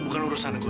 eh bukan urusan gue